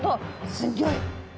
すギョい！